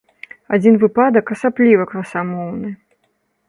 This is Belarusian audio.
Адзін выпадак асабліва красамоўны.